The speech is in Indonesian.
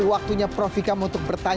ini waktunya prof vikam untuk bertanya